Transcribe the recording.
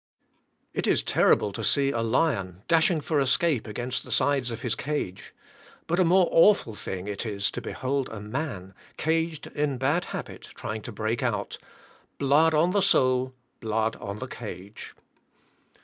It is terrible to see a lion dashing for escape against the sides of his cage; but a more awful thing it is to behold a man, caged in bad habit, trying to break out, blood on the soul, blood on the cage.